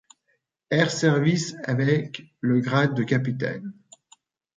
Air Service avec le grade de capitaine.